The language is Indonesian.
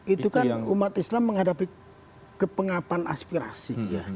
itu kan umat islam menghadapi kepengapan aspirasi